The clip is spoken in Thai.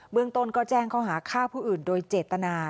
เมืองต้นก็แจ้งข้อหาฆ่าผู้อื่นโดยเจตนา